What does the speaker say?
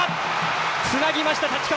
つなぎました、太刀川！